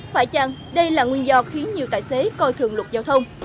phải chăng đây là nguyên do khiến nhiều tài xế coi thường luật giao thông